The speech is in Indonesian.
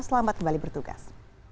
selamat kembali bertugas